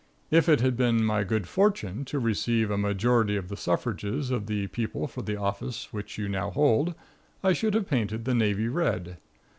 If it had been my good fortune to receive a majority of the suffrages of the people for the office which you now hold, I should have painted the navy red.